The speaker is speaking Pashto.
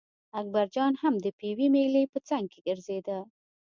اکبرجان هم د پېوې مېلې په څنګ کې ګرځېده.